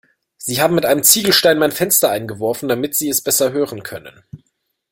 Sie haben mit einem Ziegelstein mein Fenster eingeworfen, damit sie es besser hören können.